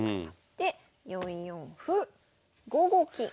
で４四歩５五金。